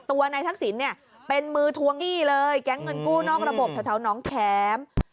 ตัวนายทักษิณเนี่ยเป็นมือทวงหนี้เลยแก๊งเงินกู้นอกระบบแถวน้องแข็ม